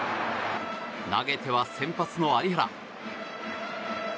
投げては先発の有原。